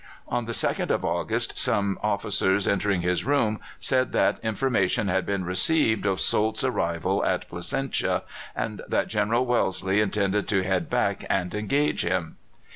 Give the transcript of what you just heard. On the 2nd of August some officers, entering his room, said that information had been received of Soult's arrival at Placentia, and that General Wellesley intended to head back and engage him.